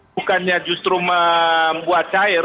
bukannya justru membuat cair